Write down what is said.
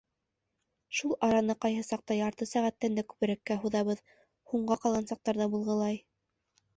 Шул араны ҡайһы саҡта ярты сәғәттән дә күберәккә һуҙабыҙ, һуңға ҡалған саҡтар ҙа булғылай.